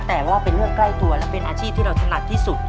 แต่ว่าเป็นเรื่องใกล้ตัวและเป็นอาชีพที่เราถนัดที่สุด